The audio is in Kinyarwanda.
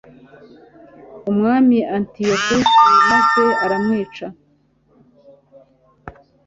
umwami antiyokusi, maze aramwica